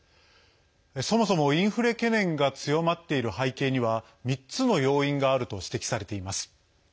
そもそも、インフレ懸念が強まっている背景には３つの要因があると指摘されています。